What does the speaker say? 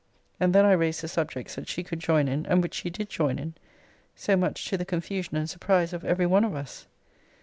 And then I raised the subjects that she could join in, and which she did join in, so much to the confusion and surprise of every one of us!